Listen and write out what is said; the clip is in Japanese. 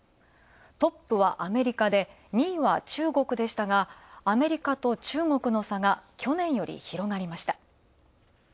トップはアメリカで、２位は中国でしたがアメリカと中国の差が、去年より広がりました。